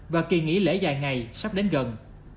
và kỳ nghỉ lễ dài ngày sắp đến gần